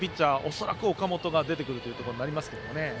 恐らく岡本が出てくるということになりますか。